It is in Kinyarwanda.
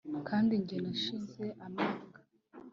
kandi njye nashize amanga